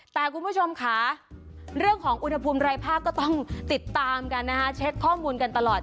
แต่คุณผู้ชมค่ะเรื่องของอุณหภูมิรายภาคก็ต้องติดตามกันนะคะเช็คข้อมูลกันตลอด